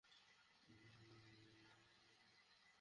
পরে কয়েকজন তরুণের চেষ্টায় পাইপের ভেতর থেকে জিহাদের লাশ তুলে আনা হয়।